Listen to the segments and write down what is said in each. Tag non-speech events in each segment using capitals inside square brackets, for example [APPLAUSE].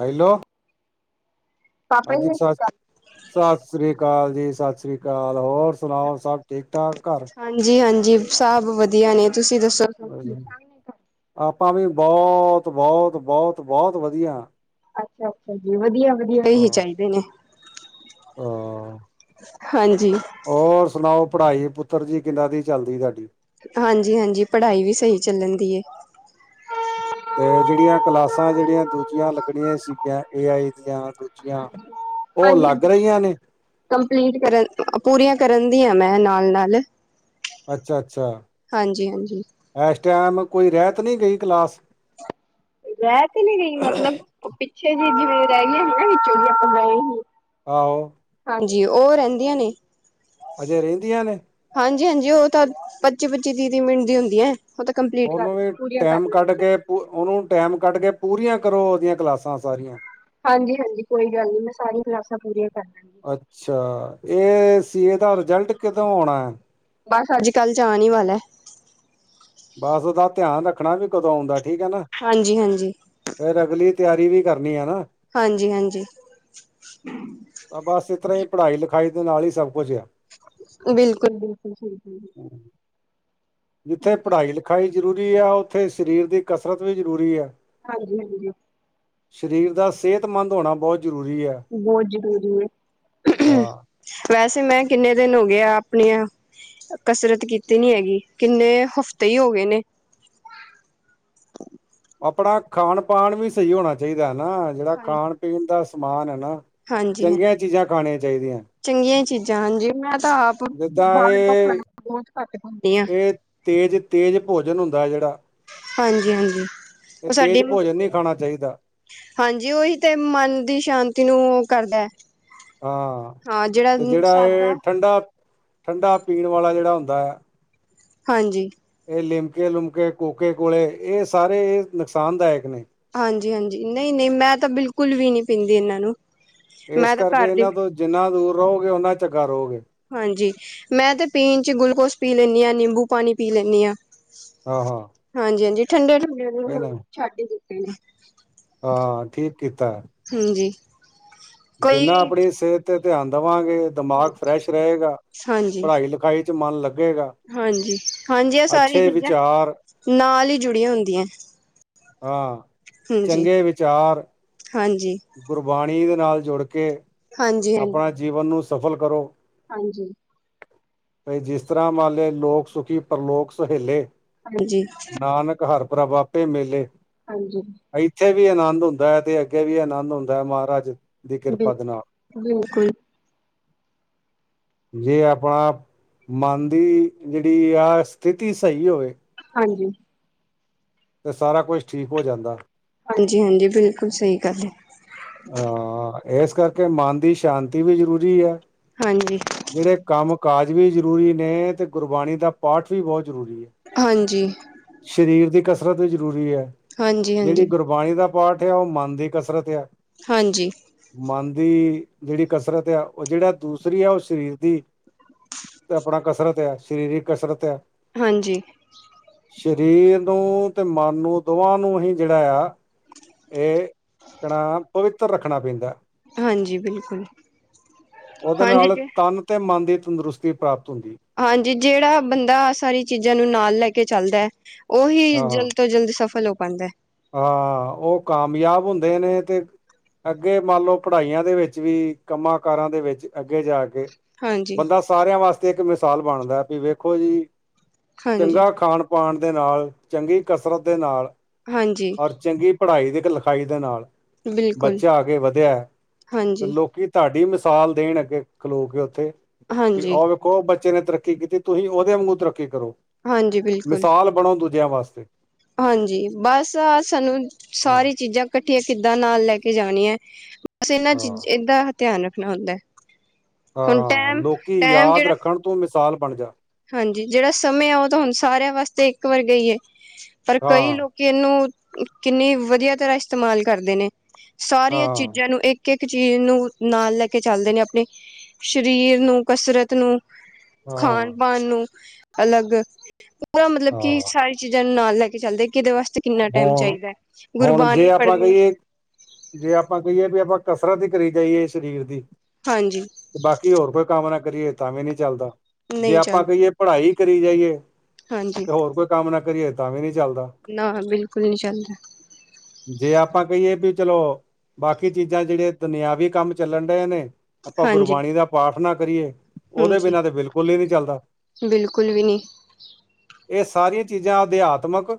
Hello ਪਾਪਾ ਜੀ ਹਾਂਜੀ ਸਤਿ ਸ਼੍ਰੀ ਸਰ ਅਕਾਲ। ਸਰ ਸਤਿ ਸ਼੍ਰੀ ਅਕਾਲ, ਜੀ ਸਤਿ ਸ਼੍ਰੀ ਅਕਾਲ ਹੋਰ ਸੁਣਾਓ ਸਭ ਠੀਕ ਠਾਕ ਘਰ। ਹਾਂਜੀ ਹਾਂਜੀ ਸਭ ਵਧੀਆ ਨੇ ਤੁਸੀਂ ਦੱਸੋ? ਸਭ ਠੀਕ ਠਾਕ ਨੇ ਘਰ? ਆਪਾਂ ਵੀ ਬਹੁਤ ਬਹੁਤ ਬਹੁਤ ਬਹੁਤ ਵਧੀਆ ਹਾਂ। ਅੱਛਾ ਅੱਛਾ ਜੀ ਵਧੀਆ ਵਧੀਆ ਹਾਂ ਇਹੀ ਚਾਹੀਦੇ ਨੇ ਹਾਂ ਹਾਂਜੀ ਹੋਰ ਸੁਣਾਓ ਪੜ੍ਹਾਈ ਪੁੱਤਰ ਜੀ ਕਿਦਾਂ ਦੀ ਚੱਲਦੀ ਤੁਹਾਡੀ। ਹਾਂਜੀ ਹਾਂਜੀ ਪੜ੍ਹਾਈ ਵੀ ਸਹੀ ਚੱਲਣ ਦੇਈ ਹੈ ਤੇ ਜਿਹੜੀਆਂ ਕਲਾਸਾਂ ਜਿਹੜੀਆਂ ਦੂਜੀਆਂ ਲੱਗਣੀਆਂ ਸੀਗੀਆਂ ਏ ਆਈ ਦੀਆਂ ਦੂਜੀਆਂ ਉਹ ਹਾਂਜੀ ਲੱਗ ਹਾਂਜੀ ਰਹੀਆਂ ਨੇ ਕੰਪਲੀਟ ਕਰਨ ਪੂਰੀਆਂ ਕਰਨ ਡੀਆ ਮੈਂ ਨਾਲ ਨਾਲ। ਅੱਛਾ-ਅੱਛਾ ਹਾਂਜੀ ਹਾਂਜੀ। ਐਸ ਟੈਮ ਕੋਈ ਰਹਿ ਤਾ ਨੀ ਗਈ ਕਲਾਸ। ਰਹਿ ਤੇ ਨਹੀ ਗਈ ਮਤਲਬ ਉਹ ਪਿੱਛੇ ਜੀ ਜਿਵੇਂ ਰਹਿ ਗਈਆਂ ਸੀ ਨਾ ਵਿੱਚੋ ਆਪਾਂ ਗਏ ਸੀ। ਆਹੋ ਹਾਂਜੀ ਉਹ ਰਹਿਦੀਆ ਨੇ ਅਜੇ ਰਹਿੰਦੀਆਂ ਨੇ ਹਾਂਜੀ-ਹਾਂਜੀ ਉਹ ਤਾਂ ਪੱਚੀ-ਪੱਚੀ, ਤੀਹ-ਤੀਹ ਮਿੰਟ ਦੀ ਹੁੰਦੀ ਐ। ਉਹ ਤਾਂ ਕੰਪਲੀਟ ਉਹਨੂੰ ਕਰ, ਵੀ ਪੂਰੀਆਂ ਕਰ ਟਾਈਮ ਕੱਢ ਲੈਂਦੀ ਮੈ ਕੇ ਉਹਨੂੰ ਟੈਮ ਕੱਢ ਕੇ ਪੂਰੀਆ ਕਰੋ, ਉਹਦੀਆ ਕਲਾਸਾਂ ਸਾਰੀਆਂ। ਹਾਂਜੀ-ਹਾਂਜੀ ਕੋਈ ਗੱਲ ਨੀ ਮੈਂ ਸਾਰੀਆਂ ਕਲਾਸਾਂ ਪੂਰੀਆਂ ਕਰ ਲੈਣੀਆਂ। ਅੱਛਾ! ਇਹ ਸੀ, ਏਦਾ ਰਿਜਲਟ ਕਿਦੋਂ ਆਉਣਾ ਏ? ਬਸ ਅੱਜ-ਕੱਲ੍ਹ ਆਣ ਹੀ ਵਾਲਾ ਹੈ। ਬਸ ਉਹਦਾ ਧਿਆਨ ਰੱਖਣਾ ਵੀ ਕਦੋਂ ਆਉਂਦਾ ਠੀਕ ਹੈ ਨਾ। ਹਾਂਜੀ-ਹਾਂਜੀ। ਫੇਰ ਅਗਲੀ ਤਿਆਰੀ ਵੀ ਕਰਨੀ ਆ ਹੈ ਨਾ। ਹਾਂਜੀ-ਹਾਂਜੀ। ਤਾਂ ਬਸ ਇਸ ਤਰਾ ਹੀ ਪੜ੍ਹਾਈ ਲਿਖਾਈ ਦੇ ਨਾਲ ਹੀ ਸਭ ਕੁਝ ਆ। ਬਿਲਕੁਲ-ਬਿਲਕੁਲ ਠੀਕ ਹੈ ਜੀ। ਜਿੱਥੇ ਪੜ੍ਹਾਈ ਲਿਖਾਈ ਜ਼ਰੂਰੀ ਆ, ਉੱਥੇ ਸਰੀਰ ਦੀ ਕਸਰਤ ਵੀ ਜ਼ਰੂਰੀ ਆ। ਹਾਂਜੀ-ਹਾਂਜੀ। ਸਰੀਰ ਦਾ ਸਿਹਤਮੰਦ ਹੋਣਾ ਬਹੁਤ ਜ਼ਰੂਰੀ ਹੈ। ਬਹੁਤ ਜ਼ਰੂਰੀ ਹੈ। ਹਾਂ ਵੈਸੇ ਮੈਂ ਕਿੰਨੇ ਦਿਨ ਹੋ ਗਿਆ ਆਪਣੀਆਂ ਕਸਰਤ ਕੀਤੀ ਨੀ ਹੈਗੀ, ਕਿੰਨੇ ਹਫ਼ਤੇ ਹੀ ਹੋ ਗਏ ਨੇ। ਆਪਣਾ ਖਾਣ-ਪਾਣ ਵੀ ਸਹੀ ਹੋਣਾ ਚਾਹੀਦਾ ਹੈ ਨਾ। ਜਿਹੜਾ ਹਾਂਜੀ, ਖਾਣ-ਪੀਣ ਦਾ ਸਮਾਨ ਹੈ ਨਾ। ਹਾਂਜੀ ਹਾਂ ਚੰਗੀਆਂ ਚੀਜਾਂ ਖਾਣੀਆਂ ਚਾਹੀਦੀਆਂ। ਚੰਗੀਆਂ ਚੀਜ਼ਾਂ ਹਾਂਜੀ ਮੈਂ ਤਾਂ ਆਪ ਜਿੱਦਾਂ ਬਾਹਰ ਦਾ ਇਹ ਖਾਣਾ ਬਹੁਤ ਘੱਟ ਖਾਂਦੀ ਆ। ਤੇਜ-ਤੇਜ ਭੋਜਨ ਹੁੰਦਾ ਹੈ ਜਿਹੜਾ ਹਾਂਜੀ-ਹਾਂਜੀ। ਇਹ ਉਹ ਸਾਡੀ ਤੇਜ ਭੋਜਨ ਨੀ ਖਾਣਾ ਚਾਹੀਦਾ। ਹਾਂਜੀ, ਉਹੀ ਤੇ ਮਨ ਦੀ ਸ਼ਾਂਤੀ ਨੂੰ ਉਹ ਕਰਦਾ ਐ। ਹਾਂ, ਤੇ ਜਿਹੜਾ ਇਹ ਸਾਦਾ ਠੰਡਾ, -ਠੰਡਾ ਪੀਣ ਵਾਲਾ ਜਿਹੜਾ ਹੁੰਦਾ ਐ। ਹਾਂਜੀ। ਇਹ ਲਿਮਕੇ-ਲੁਮਕੇ, ਕੋਕੇ-ਕੋਲੇ ਇਹ ਸਾਰੇ ਇਹ ਨੁਕਸਾਨ ਦਾਇਕ ਨੇ। ਹਾਂਜੀ-ਹਾਂਜੀ, ਨਹੀਂ-ਨਹੀਂ, ਮੈਂ ਤਾ ਬਿਲਕੁਲ ਵੀ ਨੀ ਪੀਂਦੀ ਇਹਨਾਂ ਨੂੰ। ਏਸ ਮੈਂ ਤਾਂ ਕਰਕੇ ਘਰ ਦੀ ਇਹਨਾ ਤੋਂ, ਜਿੰਨਾ ਦੂਰ ਰਹੋਗੇ, ਓਨਾ ਚੰਗਾ ਰਹੋਗੇ। ਹਾਂਜੀ, ਮੈਂ ਤੇ ਪੀਣ ਚ ਗਲੂਕੋਸ ਪੀ ਲੈਨੀਆ, ਨਿੰਬੂ ਪਾਣੀ ਪੀ ਲੈਨੀਆ। ਹਾਂ-ਹਾਂ। ਹਾਂਜੀ-ਹਾਂਜੀ ਠੰਡੇ-ਠੁੰਡੇ ਨੂੰ, ਹੁ ਛੱਡ ਹੀ ਦਿੱਤੇ ਨੇ। ਹਾਂ, ਠੀਕ ਕੀਤਾ। ਹੁਜੀ। ਜਿੰਨਾ ਆਪਣੀ ਸਿਹਤ ਤੇ ਧਿਆਨ ਦੇਵਾਗੇ, ਦਿਮਾਗ ਫਰੈਸ਼ ਰਹੇਗਾ, ਪੜ੍ਹਾਈ-ਲਿਖਾਈ ਵਿੱਚ ਮਨ ਲੱਗੇਗਾ। ਹਾਂਜੀ-ਹਾਂਜੀ, ਇਹ ਸਾਰੀਆ ਅੱਛੇ ਚੀਜ਼ਾਂ ਵਿਚਾਰ ਨਾਲ ਹੀ ਜੁੜੀਆਂ ਹੁੰਦੀਆਂ ਐ। ਹਾਂ, ਚੰਗੇ ਵਿਚਾਰ ਹਾਂਜੀ। ਗੁਰਬਾਣੀ ਦੇ ਨਾਲ ਜੁੜ ਕੇ, ਹਾਂਜੀ-ਹਾਂਜੀ, ਆਪਣਾ ਜੀਵਨ ਨੂੰ ਸਫਲ ਕਰੋ। ਹਾਂਜੀ। ਵਈ ਜਿਸ ਤਰਾ ਮਨ ਲਿਆ, ਲੋਕ ਸੁਖੀ ਪਰਲੋਕ ਸੁਹੇਲੇ। ਹਾਂਜੀ, ਹਾਂਜੀ ਨਾਨਕ ਹਰ ਪ੍ਰਭ ਆਪੇ ਮੇਲੇ। ਹਾਂਜੀ। ਇੱਥੇ ਵੀ ਆਨੰਦ ਹੁੰਦਾ ਹੈ, ਤੇ ਅੱਗੇ ਵੀ ਆਨੰਦ ਹੁੰਦਾ ਹੈ, ਮਹਾਰਾਜ ਦੀ ਬਿਲ ਕਿਰਪਾ ਦੇ ਨਾਲ। ਬਿਲਕੁਲ [INAUDIBLE] ਜੇ ਆਪਣਾ ਮਨ ਦੀ ਜਿਹੜੀ ਆ, ਸਥਿਤੀ ਸਹੀ ਹੋਵੇ। ਹਾਂਜੀ। ਤੇ ਸਾਰਾ ਕੁਛ ਠੀਕ ਹੋ ਜਾਂਦਾ। ਹਾਂਜੀ-ਹਾਂਜੀ, ਬਿਲਕੁਲ ਸਹੀ ਗੱਲ ਹੈ। ਹਾਂ, ਇਸ ਕਰਕੇ, ਮਨ ਦੀ ਸ਼ਾਂਤੀ ਵੀ ਜ਼ਰੂਰੀ ਹੈ। ਹਾਂਜੀ। ਜਿਹੜੇ ਕੰਮ ਕਾਜ ਵੀ ਜ਼ਰੂਰੀ ਨੇ, ਤੇ ਗੁਰਬਾਣੀ ਦਾ ਪਾਠ ਵੀ ਬਹੁਤ ਜ਼ਰੂਰੀ ਹੈ। ਹਾਂਜੀ। ਸਰੀਰ ਦੀ ਕਸਰਤ ਵੀ ਜ਼ਰੂਰੀ ਹੈ, ਹਾਂਜੀ ਜਿਹੜੀ ਹਾਂਜੀ ਗੁਰ ਬਾਣੀ ਦਾ ਪਾਠ ਆ, ਉਹ ਮਨ ਦੀ ਕਸਰਤ ਹੈ। ਹਾਂਜੀ। ਮਨ ਦੀ ਜਿਹੜੀ ਕਸਰਤ ਆ, ਉਹ ਜਿਹੜਾ ਦੂਸਰੀ ਆ, ਉਹ ਸਰੀਰ ਦੀ ਤੇ ਆਪਣਾ ਕਸਰਤ ਹੈ, ਸਰੀਰਕ ਕਸਰਤ ਹੈ। ਹਾਂਜੀ। ਸਰੀਰ ਨੂੰ, ਤੇ ਮਨ ਨੂੰ, ਦੋਵਾਂ ਨੂੰ ਹੀ ਜਿਹੜਾ ਆ ਇਹ ਕਹਣਾ, ਪਵਿੱਤਰ ਰੱਖਣਾ ਪੈਂਦਾ। ਹਾਂਜੀ, ਬਿਲਕੁਲ ਉਹਦੇ ਹਾਂਜੀ ਨਾਲ ਜੇ ਤਨ ਤੇ ਮਨ ਦੀ ਤੰਦਰੁਸਤੀ ਪ੍ਰਾਪਤ ਹੁੰਦੀ ਏ। ਹਾਂਜੀ, ਜਿਹੜਾ ਬੰਦਾ ਸਾਰੀ ਚੀਜ਼ਾਂ ਨੂੰ ਨਾਲ ਲੈ ਕੇ ਚੱਲਦਾ ਉਹੀ ਹਾਂ ਜਲਦ ਤੋਂ ਜਲਦ, ਸਫਲ ਹੋ ਪਾਉਦਾ ਹੈ। ਹਾਂ, ਉਹ ਕਾਮਯਾਬ ਹੁੰਦੇ ਨੇ ਤੇ ਅੱਗੇ ਮੰਨ ਲਓ, ਪੜ੍ਹਾਈਆਂ ਦੇ ਵਿੱਚ ਵੀ, ਕੰਮਾਂ ਕਾਰਾਂ ਦੇ ਵਿੱਚ ਅੱਗੇ ਜਾ ਕੇ ਹਾਂਜੀ ਬੰਦਾ ਸਾਰਿਆਂ ਵਾਸਤੇ, ਇੱਕ ਮਿਸਾਲ ਬਣਦਾ ਵੀ, ਵੇਖੋ ਜੀ ਹਾਂਜੀ ਚੰਗਾ ਖਾਣ ਪਾਉਣ ਦੇ ਨਾਲ, ਚੰਗੀ ਕਸਰਤ ਦੇ ਨਾਲ ਹਾਂਜੀ ਔਰ, ਚੰਗੀ ਪੜ੍ਹਾਈ ਦੀ ਲਿਖਾਈ ਦੇ ਨਾਲ ਬਿਲਕੁਲ ਬੱਚਾ ਆਗੇ ਵਧਿਆ ਤੇ ਹਾਂਜੀ ਲੋਕੀ ਤੁਹਾਡੀ ਮਿਸਾਲ ਦੇਣ ਅੱਗੇ ਖਲੋ ਕੇ ਉੱਥੇ ਵੀ ਹਾਂਜੀ ਉਹ ਉਹ ਬੱਚੇ ਨੇ ਤਰੱਕੀ ਕੀਤੀ ਤੁਸੀਂ ਉਹਦੇ ਵਾਂਗੂ ਤਰੱਕੀ ਕਰੋ ਹਾਂਜੀ ਬਿਲਕੁਲ ਮਿਸਾਲ ਬਣੋ ਦੂਜਿਆਂ ਵਾਸਤੇ ਹਾਂਜੀ ਬਸ ਆ ਸਾਨੂੰ ਹਾਂ ਸਾਰੀ ਚੀਜ਼ਾਂ ਇਕੱਠੀਆਂ ਕਿੱਦਾਂ ਨਾਲ ਲੈ ਕੇ ਜਾਣੀ ਹੈ। ਬਸ ਇਹਨਾਂ ਹਾਂ ਚੀਜ਼ ਇਦਾ ਧਿਆਨ ਰੱਖਣਾ ਹੁੰਦਾ ਹੁਣ ਹਾਂ ਟੈਮ ਲੋਕੀ ਟੈਮ ਯਾਦ ਜਿਹੜਾ ਰੱਖਣ ਤੋਂ ਮਿਸਾਲ ਬਣ ਜਾਨ ਹਾਂਜੀ ਜਿਹੜਾ ਸਮੇਂ ਆ ਉਹ ਤਾਂ ਹੁਣ ਸਾਰਿਆਂ ਵਾਸਤੇ ਇੱਕ ਵਰਗਾ ਈ ਏ ਪਰ ਕਈ ਹਾਂ ਲੋਕ ਕਿ ਇਹਨੂੰ ਕਿੰਨੀ ਵਧੀਆ ਤਰ੍ਹਾਂ ਇਸਤੇਮਾਲ ਕਰਦੇ ਨੇ ਸਾਰੀਆਂ ਹਾਂ ਚੀਜ਼ਾਂ ਨੂੰ ਇੱਕ ਇੱਕ ਚੀਜ਼ ਨੂੰ ਨਾਲ ਲੈ ਕੇ ਚੱਲਦੇ ਨੇ ਆਪਣੇ ਸਰੀਰ ਨੂੰ ਕਸਰਤ ਨੂੰ ਹਾਂ ਖਾਣ ਪਾਨ ਨੂੰ ਅਲੱਗ ਪੂਰਾ ਮਤਲਬ ਕਿ ਹਾਂ ਸਾਰੇ ਚੀਜ਼ਾਂ ਨੂੰ ਨਾਲ ਲੈ ਕੇ ਚੱਲਦੇ ਕਿਦੇ ਵਾਸਤੇ ਕਿੰਨਾ ਟਾਈਮ ਹੁਣ ਚਾਹੀਦਾ ਹੈ ਹੁਣ ਜੇ ਗੁਰਬਾਣੀ ਆਪਾਂ ਪੜ੍ਹਨੀ ਕਹੀਏ ਜੇ ਆਪਾਂ ਕਹੀਏ ਵੀ ਆਪਾਂ ਕਸਰਤ ਹੀ ਕਰੀ ਜਾਈਏ ਸਰੀਰ ਦੀ ਹਾਂਜੀ ਬਾਕੀ ਹੋਰ ਕੋਈ ਕੰਮ ਨਾ ਕਰੀਏ ਤਾਂ ਵੀ ਨਹੀਂ ਚੱਲਦਾ ਜੇ ਨਹੀਂ ਆਪਾਂ ਚੱਲਦਾ ਕਹੀਏ ਪੜ੍ਹਾਈ ਕਰੀ ਜਾਈਏ ਹਾਂਜੀ। ਤੇ ਹੋਰ ਕੋਈ ਕੰਮ ਨਾ ਕਰੀਏ ਤਾਂ ਵੀ ਨਹੀਂ ਚੱਲਦਾ ਨਾ ਬਿਲਕੁਲ ਨਹੀਂ ਚੱਲ ਰਿ ਜੇ ਆਪਾਂ ਕਹੀਏ ਵੀ ਚਲੋ ਬਾਕੀ ਚੀਜ਼ਾਂ ਜਿਹੜੀਆਂ ਦੁਨਿਆਵੀ ਕੰਮ ਚੱਲਣ ਡਏ ਨੇ ਆਪਾਂ ਹਾਂਜੀ। ਗੁਰਬਾਣੀ ਦਾ ਪਾਠ ਨਾ ਕਰੀਏ ਉਹਦੇ ਹਾਂਜੀ ਬਿਨਾ ਤੇ ਬਿਲਕੁਲ ਹੀ ਨਹੀਂ ਚੱਲਦਾ ਬਿਲਕੁਲ ਵੀ ਨੀ ਇਹ ਸਾਰੀਆਂ ਚੀਜ਼ਾਂ ਅਧਿਆਤਮਿਕ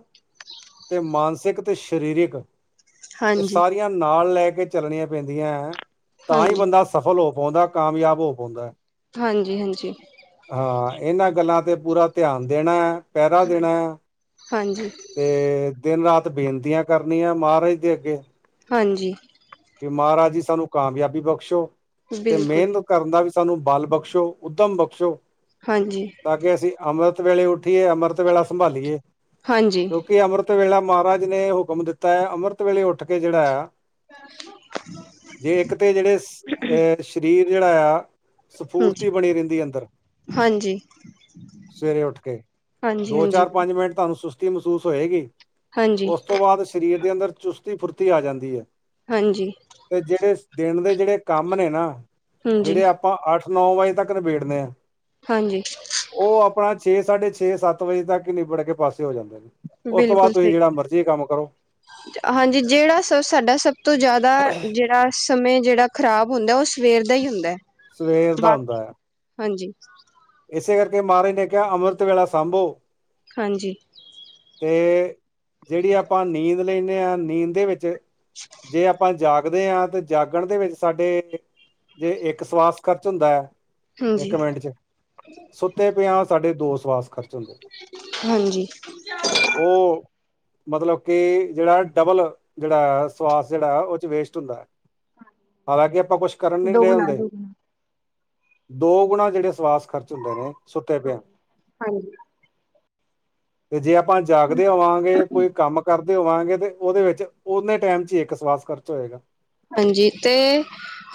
ਤੇ ਮਾਨਸਿਕ ਤੇ ਸਰੀਰਕ ਇਹ ਸਾਰੀ ਨਾਲ ਲੈ ਕੇ ਚੱਲਣੀਆਂ ਪੈਂਦੀਆਂ ਹੈ ਤਾਂ ਹੀ ਹਾਂਜੀ-ਹਾਂਜੀ। ਬੰਦਾ ਸਫਲ ਹੋ ਪਾਉਂਦਾ ਕਾਮਯਾਬ ਹੋ ਪਾਉਂਦਾ। ਹਾਂਜੀ ਹਾਂਜੀ ਹਾਂ ਇਹਨਾਂ ਗੱਲਾਂ ਤੇ ਪੂਰਾ ਧਿਆਨ ਦੇਣਾ ਹੈ ਪਹਿਰਾ ਦੇਣਾ ਹੈ ਤੇ। ਦਿਨ ਰਾਤ ਬੇਨਤੀਆਂ ਕਰਨੀਆਂ ਮਹਾਰਾਜ ਦੇ ਅੱਗੇ। ਹਾਂਜੀ। ਕਿ ਮਹਾਰਾਜ ਜੀ ਸਾਨੂੰ ਕਾਮਯਾਬੀ ਬਖਸ਼ੋ ਤੇ ਬਿਲਕੁਲ ਮਿਹਨਤ। ਕਰਨ ਦਾ ਵੀ ਸਾਨੂੰ ਬਲ਼ ਬਖਸ਼ੋ ਉੱਧਮ ਬਖਸ਼ੋ। ਹਾਂਜੀ। ਤਾਂ ਕਿ ਅਸੀਂ ਅੰਮ੍ਰਿਤ ਵੇਲੇ ਉੱਠੀਏ ਅੰਮ੍ਰਿਤ ਵੇਲਾ ਸੰਭਾਲੀਏ ਹਾਂਜੀ ਕਿਉਂਕਿ ਅੰਮ੍ਰਿਤ। ਅੰਮ੍ਰਿਤ ਵੇਲਾ ਮਹਾਰਾਜ ਜੀ ਨੇ ਹੁਕਮ ਦਿੱਤਾ ਹੈ ਅੰਮ੍ਰਿਤ ਵੇਲੇ ਉੱਠ ਕੇ ਜਿਹੜਾ ਹੈ। ਸ। ਜੇ ਇੱਕ ਤਾਂ ਜਿਹੜੇ ਅਹ ਸਰੀਰ ਜਿਹੜਾ ਆ। ਹਾਂਜੀ ਸਫੂਰਤੀ ਬਣੀ ਰਹਿੰਦੀ ਅੰਦਰ। ਹਾਂਜੀ। ਸਵੇਰੇ ਉੱਠ ਕੇ ਹਾਂਜੀ ਦੋ ਹਾਂਜੀ ਚਾਰ ਪੰਜ ਮਿੰਟ ਤੁਹਾਨੂੰ ਸੁਸਤੀ ਮਹਿਸੂਸ ਹੋਏਗੀ। ਹਾਂਜੀ ਉਸ ਤੋਂ ਬਾਅਦ ਸਰੀਰ ਦੇ ਅੰਦਰ ਚੁਸਤੀ ਫੁਰਤੀ ਆ ਜਾਂਦੀ ਹੈ। ਹਾਂਜੀ। ਤੇ ਜਿਹੜੇ ਦਿਨ ਦੇ ਜਿਹੜੇ ਕੰਮ ਨੇ ਨਾ ਜਿਹੜੇ। ਹਾਂਜੀ ਆਪਾਂ ਅੱਠ ਨੌ ਵਜੇ ਤੱਕ ਨਿਬੇੜਦੇ ਹਾਂ। ਹਾਂਜੀ। ਉਹ ਆਪਣਾ ਛੇ ਸਾਢੇ ਛੇ ਸੱਤ ਵਜੇ ਤੱਕ ਨਿਬੜ ਕੇ ਪਾਸੇ ਹੋ ਜਾਂਦੇ। ਉਸ ਤੋਂ ਬਾਅਦ ਬਿਲਕੁਲ ਤੁਸੀਂ ਸਹੀ ਜਿਹੜਾ ਗੱਲ ਮਰਜ਼ੀ ਕੰਮ ਕਰ। ਹਾਂਜੀ ਜਿਹੜਾ ਸ ਸਾਡਾ ਸਭ ਤੋਂ ਜ਼ਿਆਦਾ ਜਿਹੜਾ। ਸਮੇਂ ਜਿਹੜਾ ਖ਼ਰਾਬ ਹੁੰਦਾ ਉਹ ਸਵੇਰ ਦਾ ਹੀ ਹੁੰਦਾ ਹੈ। ਸਵੇਰ ਦਾ ਹੁੰਦਾ ਆ। ਹਾਂਜੀ। ਇਸੇ ਕਰਕੇ ਮਹਾਰਾਜ ਨੇ ਕਿਹਾ ਅੰਮ੍ਰਿਤ ਵੇਲਾ ਸਾਂਭੋ। ਹਾਂਜੀ। ਤੇ ਜਿਹੜੀ ਆਪਾਂ ਨੀਂਦ ਲੈਂਦੇ ਹਾਂ ਨੀਂਦ ਦੇ ਵਿੱਚ। ਜੇ ਆਪਾਂ ਜਾਗਦੇ ਹਾਂ ਤੇ। ਜਾਗਣ ਦੇ ਵਿੱਚ ਸਾਡੇ ਜੇ ਇੱਕ ਸਵਾਸ ਖਰਚ ਹੁੰਦਾ ਹੈ ਇੱਕ ਹਾਂਜੀ ਮਿੰਟ ਚ। ਸੁੱਤੇ ਪਿਆ ਸਾਡੇ ਦੋ ਸਵਾਸ ਖਰਚ। ਹੁੰਦੇ ਹਾਂਜੀ। ਉਹ। ਮਤਲਬ ਕਿ ਜਿਹੜਾ ਡਬਲ ਜਿਹੜਾ ਸਵਾਸ ਜਿਹੜਾ ਉਹ 'ਚ ਵੇਸਟ ਹੁੰਦਾ ਹੈ। ਹਾਲਾਂ ਕਿ ਆਪਾਂ ਕੁਛ। ਕਰਨ ਨੀ ਡਏ ਦੋਗੁਣਾ ਹੁੰਦੇ, ਦੋਗੁਣਾ ਦੋ ਗੁਣਾ ਜਿਹੜੇ ਸਵਾਸ ਖਰਚ ਹੁੰਦੇ ਨੇ। ਸੁੱਤਾ ਪਿਆ, ਹਾਂਜੀ ਤੇ ਜੇ ਆਪ। ਆਪਾਂ ਜਾਗਦੇ ਹੋਵਾਂਗੇ ਕੋਈ ਕੰਮ ਕਰਦੇ। ਹੋਵਾਂਗੇ ਤੇ ਉਹਦੇ ਵਿੱਚ ਨੇ ਟਾਈਮ ਚ ਹੀ ਇੱਕ ਸਵਾਸ ਖਰਚ ਹੋਏਗਾ। ਹਾਂਜੀ ਤੇ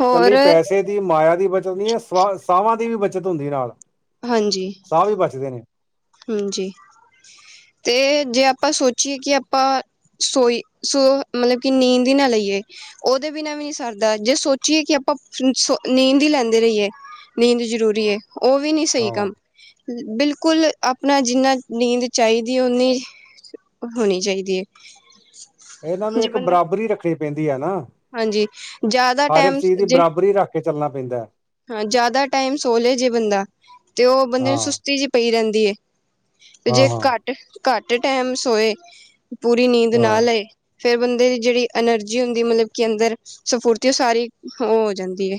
ਹੋਰ। ਕੱਲੀ ਪੈਸੇ ਦੀ ਮਾਇਆ ਦੀ ਬੱਚਤ ਨਹੀਂ ਹੈ ਸ ਸਵਾਂ ਦੀ ਵੀ ਬੱਚਤ ਹੁੰਦੀ ਨਾਲ। ਹਾਂਜੀ। ਸਾਹ ਵੀ ਬਚਦੇ ਨੇ। ਹਾਂਜੀ, ਤੇ ਜੇ ਆਪਾਂ ਸੋਚੀਏ ਕਿ ਆਪਾਂ। ਸੋਈ ਸੋ ਮਤਲਬ ਕਿ ਨੀਂਦ ਹੀ ਨਾ ਲਈਏ। ਉਹਦੇ ਬਿਨਾ ਵੀ ਨਹੀਂ ਸਰਦਾ ਜੇ ਸੋਚੀਏ ਕਿ ਆਪਾਂ ਨੀਂਦ ਹੀ ਲੈਂਦੇ ਰਹੀਏ। ਨੀਂਦ ਜ਼ਰੂਰੀ ਹੈ, ਉਹ ਵੀ ਨਹੀਂ ਸਹੀ ਹਾਂ ਕੰਮ ਬਿਲਕੁਲ। ਆਪਣਾ ਜਿਨਾ ਨੀਂਦ ਚਾਹੀਦੀ, ਉਨੀ ਹੋਣੀ ਚਾਹੀਦੀ ਹੈ। ਇਹਨਾਂ ਨੂੰ ਜੇ ਇੱਕ ਬੰਦਾ ਬਰਾਬਰੀ ਰੱਖਣੀ ਪੈਂਦੀ ਹੈ ਨਾ। ਹਾਂਜੀ ਜ਼ਿਆਦਾ ਹਰ ਇੱਕ ਟੈਮ ਚੀਜ਼ ਦੀ ਜੇ। ਬਰਾਬਰੀ ਰੱਖ ਕੇ ਚੱਲਣਾ ਪੈਂਦਾ। ਹਾਂ ਜ਼ਿਆਦਾ ਟਾਈਮ ਸੋ ਲੈ ਜੇ ਬੰਦਾ ਤੇ ਉਹ ਬੰਦੇ ਨੂੰ ਹਾਂ ਸੁਸਤੀ ਜਿਹੀ ਪਈ ਰਹਿੰਦੀ ਹੈ ਤੇ ਹਾਂ ਜੇ ਹਾਂ ਘੱਟ। ਘੱਟ ਟੈਮ ਸੋਏ ਪੂਰੀ ਨੀਂਦ ਨਾ ਹਾਂ ਲਏ। ਫਿਰ ਬੰਦੇ ਦੀ ਜਿਹੜੀ ਐਨਰਜੀ ਹੁੰਦੀ ਮਤਲਬ ਕਿ ਅੰਦਰ ਸਫੁਰਤੀ ਉਹ ਸਾਰੀ ਉਹ ਹੋ ਜਾਂਦੀ ਹੈ।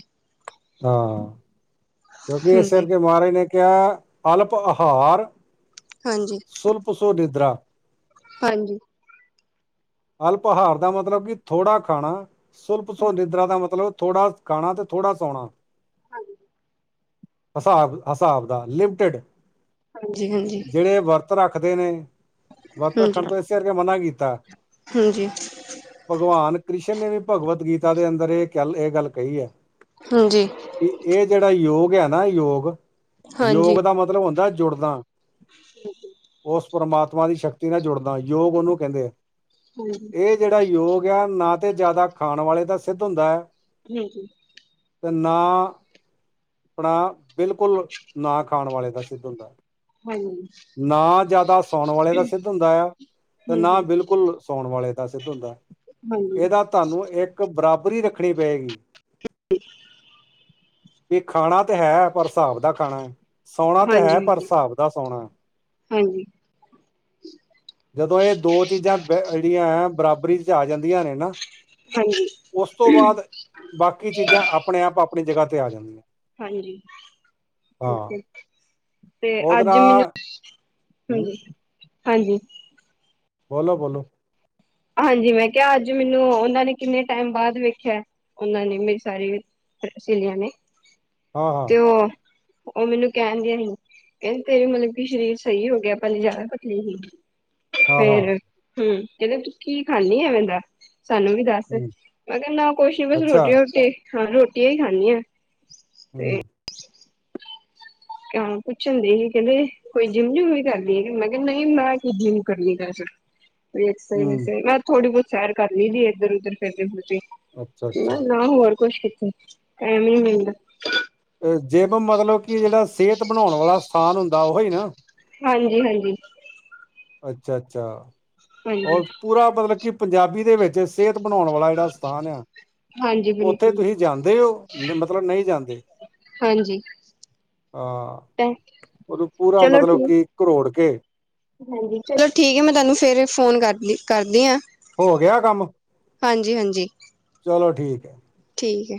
ਹਾਂ ਕਿਉਂਕਿ। ਇਸੇ ਹਾਂਜੀ ਕਰਕੇ ਮਹਾਰਾਜ ਨੇ। ਕਿਹਾ ਅਲਪ ਆਹਾਰ ਹਾਂਜੀ ਸੁਲਪ ਸੁ ਨਿਦਰਾ। ਹਾਂਜੀ। ਅਲਪ ਆਹਾਰ ਦਾ ਮਤਲਬ ਕਿ ਥੋੜ੍ਹਾ ਖਾਣਾ, ਸੁਲਪ ਸੁ ਨਿਦਰਾ ਦਾ ਮਤਲਬ ਥੋੜ੍ਹਾ। ਖਾਣਾ ਤੇ ਥੋੜ੍ਹਾ ਸੋਹਣਾ। ਹਾਂਜੀ। ਹਿਸਾਬ ਹਿਸਾਬ ਦਾ ਲਿਮਟਿਡ ਹਾਂਜੀ ਹਾਂਜੀ ਹਾਂਜੀ ਜਿਹੜੇ ਵਰਤ। ਵਰਤ ਰੱਖਦੇ ਨੇ ਵਰਤ ਰੱਖਣ ਹਾਂਜੀ ਤੋਂ ਇਸੇ ਕਰਕੇ ਮਨਾ ਕੀਤਾ। ਹਾਂਜੀ ਭਗਵਾਨ ਕ੍ਰਿਸ਼ਨ ਨੇ ਵੀ ਭਗਵਤ ਗੀਤਾ ਦੇ ਅੰਦਰ ਇਹ ਕ ਇਹ ਗੱਲ ਕਹੀ ਹੈ। ਹਾਂਜੀ ਵੀ ਇਹ ਜਿਹੜਾ ਯੋਗ ਐ ਨਾ ਯੋਗ, ਹਾਂਜੀ ਹਾਂਜੀ ਯੋਗ ਦਾ ਮਤਲਬ ਹੁੰਦਾ ਜੁੜਨਾ। ਉਸ ਪ੍ਰਮਾਤਮਾ ਦੀ ਸ਼ਕਤੀ ਨਾਲ ਜੁੜਨਾ ਯੋਗ ਉਹਨੂੰ ਕਹਿੰਦੇ ਐ। ਹੂੰ, ਜਿਹੜਾ ਯੋਗ ਐ ਨਾ ਤੇ ਜਿਆਦਾ ਖਾਣ ਵਾਲੇ ਦਾ ਸਿੱਧ ਹੁੰਦਾ ਐ। ਹੂੰ-ਹੂੰ, ਤੇ ਨਾ ਆਪਣਾ ਬਿਲਕੁਲ, ਨਾ ਖਾਣ ਵਾਲੇ ਦਾ ਸਿੱਧ ਹੁੰਦਾ। ਹੂੰ, ਨਾ ਜ਼ਿਆਦਾ ਸੌਣ ਵਾਲੇ ਦਾ ਸਿੱਧ ਹੁੰਦਾ ਆ ਤੇ ਨਾ ਬਿਲਕੁਲ ਸੌਣ ਵਾਲੇ ਦਾ ਸਿੱਧ ਹੁੰਦਾ, ਹਾਂਜੀ ਹਾਂਜੀ ਇਹਦਾ ਤੁਹਾਨੂੰ ਇੱਕ ਬਰਾਬਰੀ ਰੱਖਣੀ ਪਏਗੀ। [INAUDIBLE] ਵੀ ਖਾਣਾ ਤਾਂ ਹੈ ਪਰ ਹਿਸਾਬ ਦਾ ਖਾਣਾ ਸੋਣਾ ਤਾਂ ਐ ਪਰ ਹਿਸਾਬ ਦਾ ਸੋਣਾ। ਹਾਂਜੀ। ਜਦੋਂ ਇਹ ਦੋ ਚੀਜ਼ਾਂ ਜਿਹੜੀਆਂ ਬਰਾਬਰੀ ਚ ਆ ਜਾਂਦੀਆਂ ਨੇ ਨਾ। ਹਾਂਜੀ ਉਸ ਤੋਂ ਬਾਅਦ, ਬਾਕੀ ਚੀਜ਼ਾਂ ਆਪਣੇ ਆਪ ਆਪਣੀ ਜਗ੍ਹਾ ਤੇ ਆ ਜਾਂਦੀਆਂ। ਹਾਂਜੀ, ਠੀਕ ਹਾਂ ਐ ਤੇ ਉਹਦੇ ਅੱਜ ਨਾਲ ਹੂੰ, ਹਮ ਹਾਂਜੀ। ਬੋਲੋ-ਬੋਲੋ, ਹਾਂਜੀ ਮੈਂ ਕਿਹਾ ਅੱਜ ਮੈਨੂੰ ਉਹਨਾਂ ਨੇ ਕਿੰਨੇ ਟੈਮ ਬਾਅਦ ਵੇਖਿਆ ਉਹਨਾਂ ਨੇ ਮੇਰੀ ਸਾਰੀ ਸ਼ਲੀਆਂ ਨੇ, ਹਾਂ ਹਾਂ ਤੇ ਉਹ ਉਹ ਮੈਨੂੰ ਕਹਿਣ ਦਿਆਂ ਸੀ, ਕਹਿੰਦੇ ਤੇਰੇ ਮਤਲਬ ਕਿ ਸਰੀਰ ਸਹੀ ਹੋ ਗਿਆ ਪਹਿਲੇ ਜ਼ਿਆਦਾ ਪਤਲੀ ਸੀ। ਹਾਂ ਹਾਂ ਫੇਰ ਹੂੰ ਕਹਿੰਦੇ ਕੀ ਖਾਨੀ ਐ ਐਵੇ ਦਾ ਸਾਨੂੰ ਵੀ। ਦੱਸ ਹਮ ਮੈਂ ਕਿਹਾ ਨਾ ਕੁਛ ਨੀ ਬਸ ਅੱਛਾ ਰੋਟੀਆਂ ਰੋਟੀ ਹਾਂ ਰੋਟੀਆਂ ਹੀ ਖਾਨੀ ਆ। ਹੂੰ, ਕੁਛ ਹੁੰਦੀ ਸੀ ਕਹਿੰਦੇ। ਕੋਈ ਜਿੰਮ ਜੁੰਮ ਵੀ ਕਰਲੀ ਐ ਮੈਂ ਕਿਹਾ ਨਈ ਮੈਂ ਕੇ ਜਿੰਮ ਕਰਨੀ ਕਰ ਐ [UNINTELLIGIBLE] ਹਮ ਬਸ ਥੋੜੀ ਬਹੁਤ ਸੈਰ ਕਰ ਲਈ ਦੀ ਐ ਇੱਧਰ ਉਧਰ ਫਿਰਦੇ ਫੁਰਦੇ। ਅੱਛਾ ਅੱਛਾ ਨਾ ਹੋਰ ਕੁਛ, ਟੈਮ ਈ ਨੀ ਮਿਲਦਾ। ਜਿਮ ਮਤਲਬ ਕਿ ਜਿਹੜਾ ਸਿਹਤ ਬਣਾਉਣ ਵਾਲਾ ਸਥਾਨ ਹੁੰਦਾ ਉਹੀ ਨਾ। ਹਾਂਜੀ-ਹਾਂਜੀ, ਅੱਛਾ-ਅੱਛਾ ਹਾਂਜੀ ਔ ਪੂਰਾ ਮਤਲਬ ਕਿ ਪੰਜਾਬੀ ਦੇ ਵਿੱਚ ਸਿਹਤ ਬਣਾਉਣ ਵਾਲਾ ਜਿਹੜਾ ਸਥਾਨ ਆ। ਹਾਂਜੀ ਉੱਥੇ ਬਿਲਕੁਲ ਤੁਸੀਂ ਜਾਂਦੇ ਔ ਮਤਲਬ ਨਈ ਜਾਂਦੇ। ਹਾਂਜੀ। ਹਾਂ, ਤਾਂ ਉਹਨੂੰ ਪੂਰਾ ਚਲੋ ਮਤਲਬ ਠੀਕ ਕਿ ਘਰੋੜ ਕੇ ਹਾਂਜੀ ਚਲੋ ਠੀਕ ਐ ਮੈਂ ਤੁਹਾਨੂੰ ਫੇਰ ਫੋਨ ਕਰਦੀ ਕਰਦੀ ਆ। ਹੋ ਗਿਆ ਕੰਮ ਹਾਂਜੀ-ਹਾਂਜੀ। ਚਲੋ ਠੀਕ ਐ। ਠੀਕ ਐ।